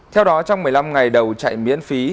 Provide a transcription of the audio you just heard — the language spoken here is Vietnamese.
theo đó trong một mươi năm ngày đầu chạy miễn phí